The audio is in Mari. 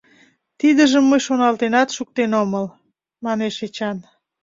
— Тидыжым мый шоналтенат шуктен омыл, — манеш Эчан.